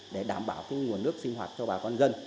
để đảm bảo nguồn nước sinh hoạt cho bà con dân